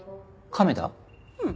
うん。